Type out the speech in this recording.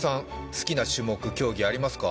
好きな種目競技ありますか？